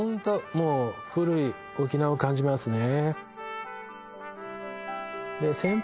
もう古い沖縄を感じますね